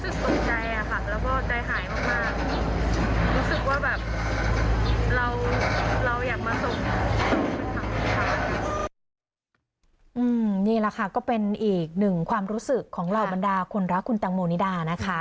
นี่แหละค่ะก็เป็นอีกหนึ่งความรู้สึกของเหล่าบรรดาคนรักคุณแตงโมนิดานะคะ